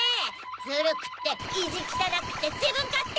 ズルくっていじきたなくてじぶんかって！